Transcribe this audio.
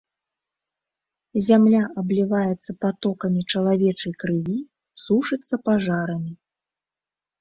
Зямля абліваецца патокамі чалавечай крыві, сушыцца пажарамі.